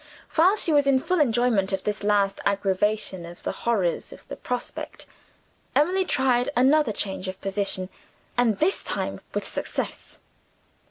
While she was in full enjoyment of this last aggravation of the horrors of the prospect, Emily tried another change of position and, this time, with success.